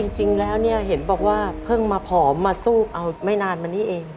จริงแล้วเนี่ยเห็นบอกว่าเพิ่งมาผอมมาสู้เอาไม่นานมานี้เอง